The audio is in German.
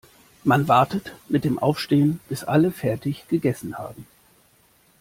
Man wartet mit dem Aufstehen, bis alle fertig gegessen haben.